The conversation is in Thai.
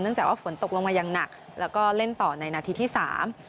จากว่าฝนตกลงมาอย่างหนักแล้วก็เล่นต่อในนาทีที่สาม